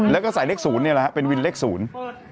แล้วก็ใส่เลขศูนย์เนี่ยแหละฮะเป็นวินเลขศูนย์